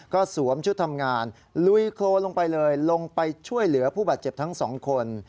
ก็สวมชุดทำงานลุยโครนลงไปเลยลงไปช่วยเหลือผู้บาดเจ็บทั้งสองคน